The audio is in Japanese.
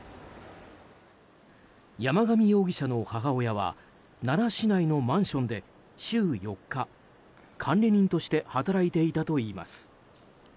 山上容疑者の母親は奈良市内のマンションで週４日管理人として働いていたといいます。